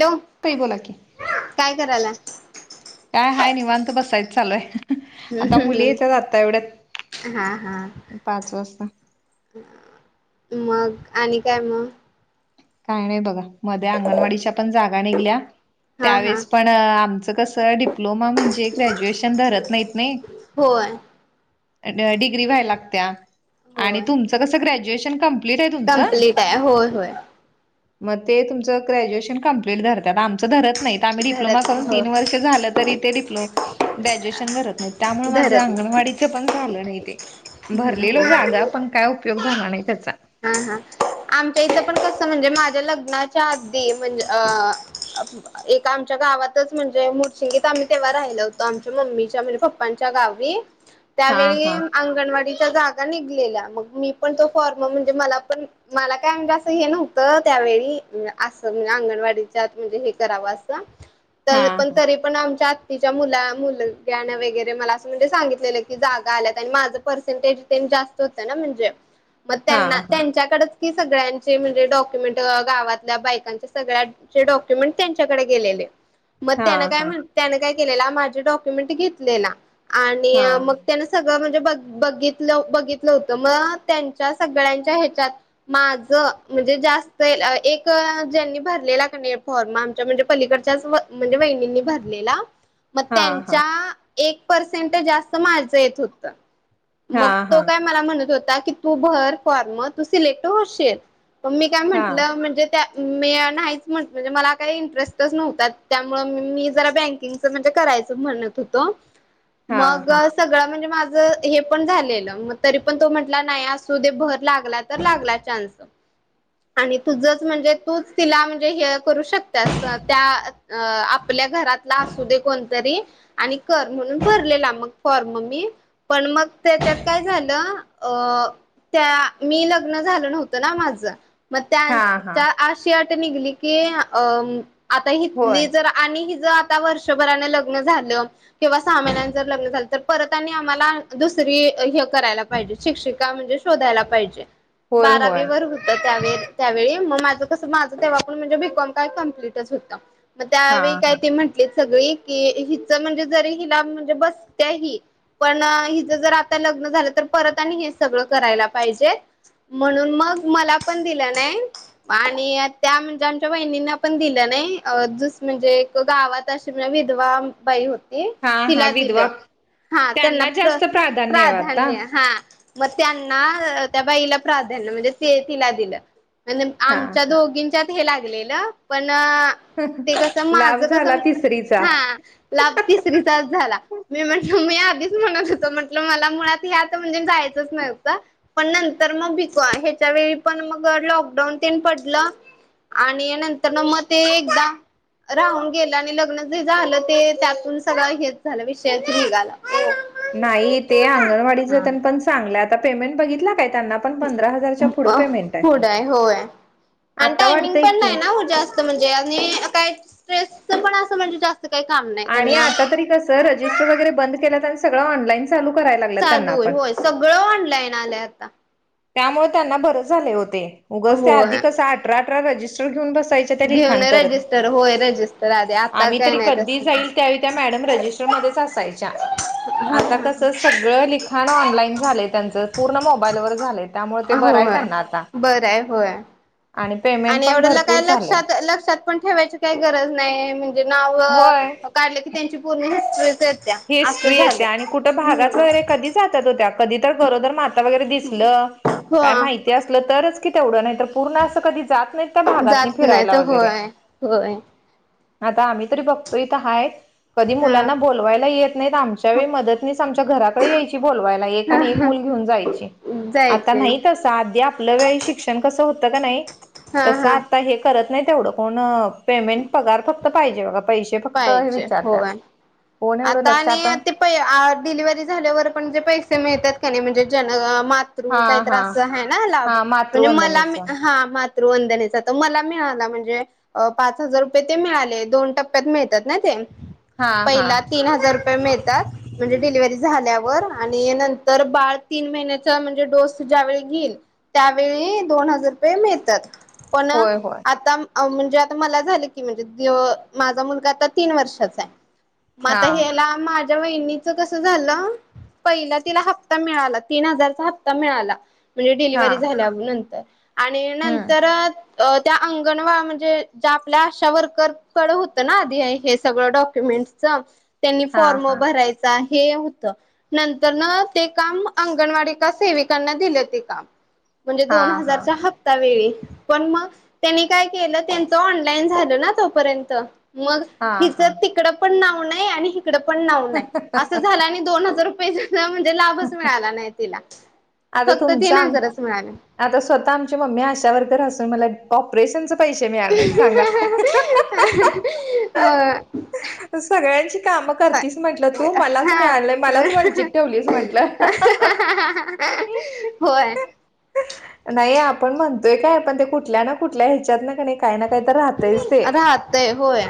Hello तई बोला की काय करायला काय हाय निवांत बसायच चालूय. आता मुली येत्यात आता एवढ्यात, हा हा पाच वाजता. मग आणि काय मग? काय नाही बघा मध्ये अंगणवाडीच्या पण जागा निघल्या हा हा त्यावेेळेस पण. अं आमच कसं डिप्लोमा म्हणजे ग्रॅज्युएशन धरत नाहीत नाही. होय अं डिग्री व्हाय लागत्याया आणि तुमचं कसं ग्रॅज्युएशन कम कंप्लीट हाय, होय होय. मग ते तुमचं ग्रॅज्युएशन कम्प्लीट धरत्यात. आमचं धरत नाही आम्ही डिप्लोमा धरत करून नाही हो तीन वर्ष झालं तरी डिप्लो ग्रॅज्युएशन धरत नाही. त्यामुळे माझं धरत अंगणवाडीचं पण झालं नाही ते. भरलेलो नाही जागा, पण काय उपयोग झाला नाही त्याचा. हा हा. आमच्या इथं पण कसं म्हणजे माझ्या लग्नाच्या आधी म्हणजे अ एका आमच्या गावातच म्हणजे मुडशिंगीत आम्ही तेव्हा राहिलवतो. आमच्या मम्मीच्या म्हणजे पप्पांच्या गावी‌. हा त्यावेळी हा अंगणवाडीच्या जागा निघलेल्या. मग मी पण तो फॉर्म मग म्हणजे मला पण मला काय म्हणजे असं हे नव्हतं त्यावेळी, असं म्हणजे अंगणवाडीच्यात म्हणजे हे करावं असं. त हा पण तरी पण आमच्या आत्तीच्या मुला-मुलग्यान वगैरे मला असं म्हणजे सांगितलेलं की जागा आल्यात आणि माझं पर्सेंटेज तेन जास्त होतंय ना म्हणजे. मग हा त्यांना हा त्यांच्याकडेच की सगळ्यांचे म्हणजे डॉक्युमेंट गावातल्या बायकांच्या सगळ्या चे डॉक्युमेंट त्यांच्याकडे गेलेले. मग हा त्यानं काय हा म्हण त्यान काय केलेला माझे डॉक्युमेंट घेतलेला आणि हा मग त्यान सगळं म्हणजे ब-बघितलं बघितलं होतं, मग त्यांच्या सगळ्यांच्या ह्याच्यात माझं म्हणजे जास्त एक ज्यांनी भरलेला का नाही फॉर्म म्हणजे पलीकडच्याच म्हणजे वहिनींनी भरलेला. मग हा हा हा त्यांच्या एक पर्सेंट जास्त माझं येत होत. हा मग तो हा काय मला म्हणत होता की, तू भर फॉर्म तू सिलेक्ट होशील. मग मी काय हा म्हंटलं म्हणजे त्या मी नाहीच म्हटलं‌ मला काही इंटरेस्टच नव्हता. त्यामुळं मी जरा बँकिंग म्हणजे करायचं म्हणत होतो. हा मग हा सगळं म्हणजे माझं हे पण झालेलं, मग तरी पण तो म्हंटला नाही सु दे भर लागला तर लागला चान्स. आणि तुझंच म्हणजे तूच तिला म्हणजे हे करू शकत्यास. त्या अ आपल्या घरात असू दे कोणतरी आणि कर म्हणून भरलेला मग फॉर्म मी. पण मग त्याच्यात काय झालं अ त्या मी लग्न झाल नव्हतं ना, माझं मग त्यां हा हा त्या अशी अट निघली की अ आता होय हितली जर आणि हीज आता वर्षभरान लग्न झालं. किंवा सहा महिन्यांमी जर लग्न झालं, ‌ तर परत आणि आम्हाला आम्हाला दुसरी हे करायला पाहिजे शिक्षिका म्हणजे शोधायला पाहिजे. होय होय बारावीवर त्यावेळी त्यावेळी मग माझं कसं माझं तेव्हा पण म्हणजे बीकॉम काय कम्प्लीटच होतं. मग हा त्यावेळी काय हा ते म्हंटलीत सगळी, कि हिचं म्हणजे जरी हिला म्हणजे बसत्या ही. पण हिचं जर आता लग्न झालं, तर परत आणि हेच सगळं करायला पाहिजे. म्हणून मग मला पण दिलं नाही. आणि त्या म्हणजे आमच्या वहिणींना पण दिलं नाही. अं दुस म्हणजे तो गावात अशी म्हणजे विधवा बाई हो ते हा हा तिला दिलं. विधवा हा त्यांना जास्त प्राधान्य आहे आता प्र-प्राधान्य हा. मग त्यांना त्या बाईला प्राधान्य म्हणजे तिला दिलं. अन हा आमच्या दोघी त्यात हे लागलेलं, पण ते कस लाभ माझं झाला कसं, तिसरीचा ‌हा. लाभ तिसरीचाच झाला. मी म्हटल मी आधीच म्हणत होतो, म्हटलं मला मुळात ह्या तर म्हणजे जायचंच नव्ह पण नंतर मग बिका ह्याच्या वेळी पण मग लॉकडाऊन तेन पडलं. आणि नंतर मग ते एकदा राहून गेलं आणि लग्न जे झालं ते, त्यातून सगळं हेच झालं विषयच निघाला. नाही ते अंगणवाडीच हा तेन पण चांगलं आता पेमेंट बघितला काय त्यांना. पण पंधरा हजारच्या पेमेंट पुढं आहे होय, आणि आता टायमिंग वाटतंय पण की नाही ना जास्त. असं म्हणजे, आणि काय स्ट्रेसच पण असं म्हणजे जास्त. तिथे काम नाही. आणि त्यांना आता तरी कसं, रजिस्टर वगैरे बंद केल्यात सगळ ऑनलाईन चालू कराय लाग चालू आहे होय सगळं ऑनलाईन आलंय आता. त्यामुळे त्यांना बरे झाले होते उगच ते होय आधिक कसं अठरा अठरा रजिस्टर घेऊन बस बसायचे घेऊन लिखाण करत, रजिस्टर होय रजिस्टर आधी आता आम्ही काय तरी नाही कधी तसं. जाईल त्यावेळी. त्या मॅडम रजिस्टरमध्येच असायच्या. आता कसं सगळं लिखाण ऑनलाईन झालंय, त्यांच पूर्ण मोबाईलवर झालंय. त्यामुळे ते बरं आहे होय त्यांना आता बराय होय. आणि पेमेंट आणि पण एवढ ल भरपूर काय झालंय लक्षात लक्षात. पण ठेवायची काही गरज नाही, म्हणजे नाव होय काढली की त्यांची पूर्ण हिस्ट्रीच येते. हिस्ट्री येते आणि कुठं भागात वगैरे कधी जातात त्या कधी तर गरोदर माता वगैरे दिसलं. हो आ.. ते असलं तरच कि तेवढं नाही, तर पूर्ण असं कधी जात नाही. त्या भागातनी जात नाही फिरायला तर वगैरे, होय होय आता आम्ही तरी बघतो, इथ हाय कधी हा मुलांना बोल बोलवायला येत नाही आमच्या वेळी मदतनीस आमच्या घराकडे यायची, बोलवायला एक आणि एक मुल घेऊन जायची. आता जायचे नाही तसं, आधी आपलं वेळी शिक्षण कसं होतं कणी हा तसं हा आता हे. करत नाही तेवढं कोण पेमेंट पगार फक्त पाहिजे बघा पैसे फक्त हे पाहिजे विचारतात. होय कोण एवढं आता लक्ष आणि ते, ते डिलिव्हरी झाल्यावर पण जे, पैसे मिळतात कणी नाही म्हणजे जे जन्मात. मातृ हा काय तरी हा असं, हाय ना लाभ हा म्हणजे मला मातृवंदनेच हा मातृ. वंदनेचा तर मला मिळाला म्हणजे, अ पाच हजार रुपये ते मिळाले, दोन टप्प्यात मिळत्यात ना ते हा पहिल्यात. तीन हजार रुपये मिळतात. म्हणजे डिलिव्हरी झाल्यावर, आणि नंतर बाळ तीन महिन्याचा म्हणजे डोस ज्यावेेळी घेईल. त्यावेळी दोन हजार रुपये मिळत्यात. पण होय होय आता आओ म्हणजे आता मला झालं की म्हणजे माझा मुलगा आता तीन वर्षाचा आहे. मग हा आता हेला माझ्या वहिणीच कस झालं. पहिला तिला हप्ता मिळाला, तीन हजारचा हप्ता मिळाला. म्हणजे हा डिलिव्हरी झाल्या नंतर आणि हम्म नंतर. त्या अंगणवा म्हणजे, ज्या आपल्या आशा वर्करकडं होतं ना आधी हे सगळं डॉक्युमेंट्स. कसं त्यांनी हा फॉर्म हा भरायचा हे होतं. नंतरन ते, काम अंगणवाडी का सेविकांना दिलं ते काम. म्हणजे हा दोन हा हजारचा हप्ता. त्यावेळी पण मग त्यांनी काय केलं, त्यांच ऑनलाईन झालं ना तोपर्यंत. मग हा हा हिचं तिकड पण नाव नाही आणि इकडं पण नाव नाही असं झालं, आणि दोन हजार रुपये. म्हणजे लाभच मिळाला नाही तिला आता फक्त तुमचा तीनजरच मिळाल. आता स्वतः आमची मम्मी आशा वर्कर असून, मला ऑपरेशनचे पैसे मिळाले नाहीत सांगा. हहहहहहह. सगळ्यांची कामं करतीस म्हंटलं तू, मलाच हा मिळालं मलाच वंचित ठेवलीस म्हटलं. होय. नाही आपण म्हणतोय काय पण ते कुठल्या ना कुठल्या ह्याच्यात कणी काही ना काही तर राहतयच ते राहतय होय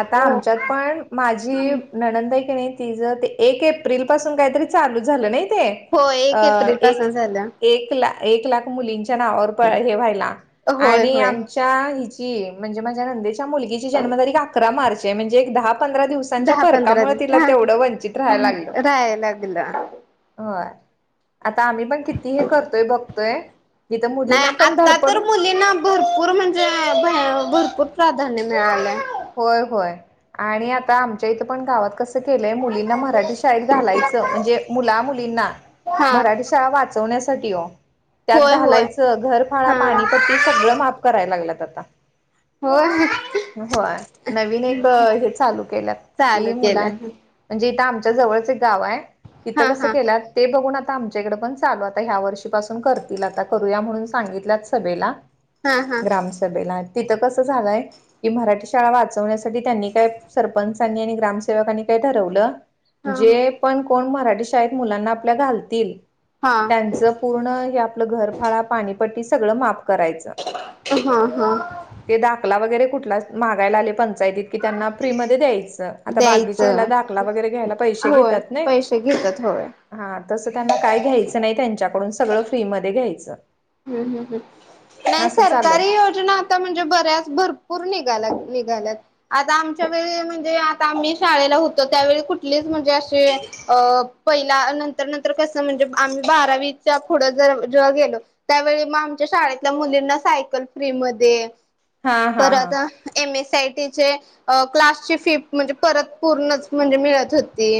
आता आमच्यात पण माझी ननंद हाय कणी तिझं ते, एक एप्रिल पासून काहीतरी चालू झालं नाही ते. होय अ एक एप्रिल पासून एक झालं एक ला एक लाख मुलींच्या नावावर प हे व्हायला होय आणि आ होय चा हिची म्हणजे माझ्या नंदेच्या मुलगीची जन्मतारीख अकरा मार्च आहे म्हणजे एक दहा-पंधरा दिवस सांच्या दहा परका पंधरा मुळे दिवस तिला हा तेवढं वंचित राहायला लागलं. राहायला लागलं आता आम्ही पण किती हे करतोय बघतोय इथं नाही मुलींना पण आता तर धडपडून मुलींना भरपूर म्हणजे अ भाय भरपूर प्राधान्य मिळालंय. होय-होय आणि आता आमच्या इथं पण गावात कसं त केलय मुलींना मराठी शाळेत घालायच म्हणजे मुला मुलींना हा मराठी त्याला वाचवण्यासाठी ओ त्यात होय होय घालायचं घरफाळा हा पाणीपट्टी सगळं माफ करायला लागलंत आता. होय. होय नवीन एक हे चालू केल्यात कि चालू केलं. मुलां म्हणजे इथं आमच्या जवळच्या एक गाव आहे इथं हा कसं हा केलंय ते बघून आता आमच्याकडे पण चालू आता ह्या वर्षीपासून करतील आता करूया म्हणून सांगितल्यात सभेला. हा हा हा ग्रामसभेला तिथं कसं झालंय की मराठी त्याला वाचवण्यासाठी त्यांनी काय सरपंच्यानी आणि ग्रामसेवकांनी काय ठरवलं जे हा पण कोण मराठी शाळेत मुलांना आपल्या घालतील हा त्यांच पूर्ण हे आपलं घरफाळा, पाणीपट्टी सगळं माफ करायचं. हा हा. ते दाखला वगैरे कुठला मागायला आले पंचायतीत. कि त्यांना फ्री मध्येम द्यायचं आता बाकीच्या ह्याला द्यायचं दाखला वगैरे घ्यायला पैसे होय घेतात नाही. पैसे घेतात होय. हा तसं त्यांना काय घ्यायचं नाही त्यांच्याकडून सगळं फ्रीमध्ये घ्यायचं. हम्म हम्म नाही असं चालय सरकारी वट ना आत्ता म्हणजे बऱ्याच भरपूर निघाल्यात निघाल्यात. आता आमच्या वेळी म्हणजे आता आम्ही शाळेला होतो त्यावेळी कुठलीच म्हणजे अशी अ पहिल्या नंतर-नंतर कसं म्हणजे आम्ही बारावीच्या पुढं जर जेव्हा गेलो त्यावेळी म आमच्या शाळेतल्या मुलींना सायकल फ्रीमध्ये हा हा हा परत M S C I T चे अ क्लासची फी म्हणजे परत पूर्णच म्हणजे मिळत होती.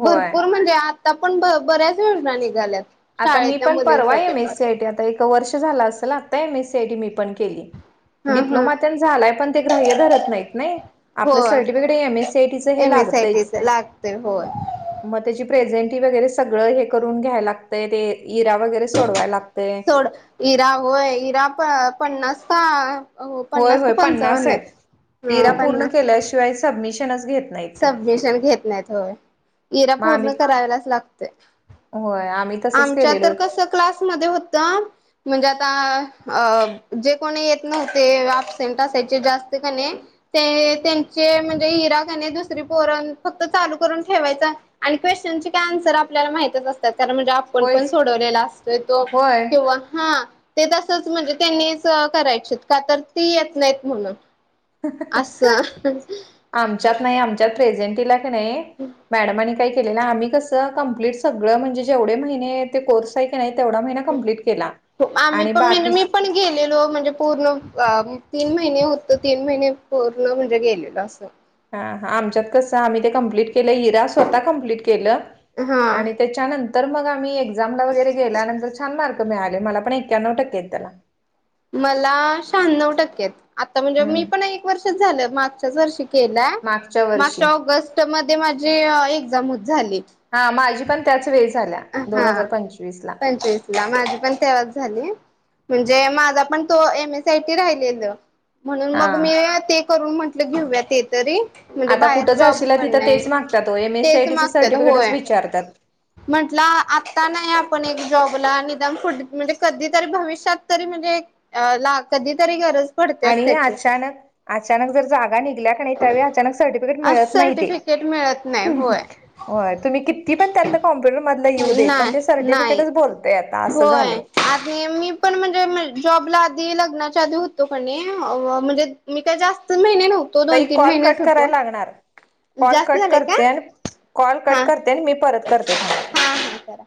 होय भरपूर म्हणजे आता पण ब बऱ्याच योजना निघाल्यात. आता मी शाळेतल्या पण परवा मुलींसाठी एम पण एस सीआय टी आता एक वर्ष झालं असेल आता M S C I T मी पण केली. हा हा डिप्लोमा ततेन झालाय पण ते ग्रह्य धरत नाहीत नाही. आपलं होय. सर्टिफिकेट एमएस सी आयटीचं हे लागतंयच. ते होय. मग त्याची प्रेझेंटी वगैरे सगळं हे करून घ्यायला लागतंय ते इरा वगैरे सोडवाय लागतय. सोड इरा होय इरा प पन्नास पा होय होय पन्नास आहेत ईरा ह पूर्ण पन्नास केल्याशिवाय सबमिशनच घेत नाहीत ते. सबमिशन घेत नाहीत होय इरा मग आम्ही पूर्ण करायलाच लागते. होय आम्ही तसंच आमच्या केलेलो तर कसं क्लास मध्ये होता म्हणजे आता अ जे कोणी येत नव्हते अब्सेंट असायचे जास्त त्याने ते त्यांचे म्हणजे इरा त्यांनी दुसरी पोरान फक्त चालू करून ठेवायचा. आणि क्वेश्नचे काय आंसर आपल्याला माहितच असतात कारण म्हणजे आप पण पण होयच सोडवलेला असतोय तो होय. किंवा हा ते तसंच म्हणजे त्यांनीच करायचे, का तर ती येत नाहीत म्हणून. असं आमच्यात नाही आमच्यात प्रेझेंटीला का नाही, मॅडमांनी काय केलेलं. आम्ही कसं तर कंप्लिट सगळं म्हणजे जेवढे महिने आहेत ते कोर्स हाय की नाही तेवढा महिना कम्प्लीट केला आम्ही आणि पण म्हणजे बाकी मी पण गेलेलो म्हणजे पूर्ण ब अ तीन महिने होत तीन महिने पूर्ण म्हणजे गेलेल असं. हा हा आमच्यात कसं आम्ही ते कमप्लीट केलं इरा स्वतः कम्प्लीिट केलं हा आणि तेचा त्यानंतर मग आम्ही एक्झामला वगैरे गेल्यानंतर छान मार्क मिळाले मला पण एक्याण्नव टक्केेत त्याला. मला शहाण्णव टक्केे हायत. आता म्हणजे हम्म मीपण एक वर्षच झालं, मागच्याच वर्षी केला. मागच्या ऑगस्टमध्ये माझी एक्साम हो झाली. हा माझीपण त्याच वेळी झाल्या. आ दोन हां हजार पंचवीस ला पंचवीस. लाल माझी पण तेव्हाच झाली. म्हणजे माझा पण तो M S C I T राहिलेलं. म्हणून हा मग मी ते करून म्हंटलं घेऊया ते तरी. म्हणजे आता बाहेर कुठं जाशीला जॉबपण तिथं नाही, तेच मागतात ओ एम एस सी तेच आयटीचं मागत्यात सर्टिफिकेटच होय. विचारतात. म्हंटलं आत्ता नाही आपण एक जॉबला, निदान पुढं म्हणजे कधीतरी भविष्यात तरी म्हणजे ला कधीतरी गरज पडतेच आणि त्याची. अचानक अचानक जर जागा निघल्या का नाही, त्यावेळी अचानक सर्टिफिकेट मिळत नाही ते. तेच मिळत नाही होय. होय तु, म्ही कितीपण त्यातनं कॉम्प्युटर मधलं येऊदे, पण नाही ते नाही. सर्टिफिकेटच बोल होय. आधी मीपण म्हणजे मी जॉबला आधी लग्नाच्या आधी हुतो का नाही, अ म्हणजे मी काय जास्त महिने न्हवं. ताई कॉल कट करायला लागणार. कॉल जास्त कट झालंय का करते आणि कॉल हा कट करते आणि मी परत करते थांबा आता. हा हा करा.